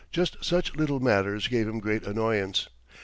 Just such little matters gave him great annoyance.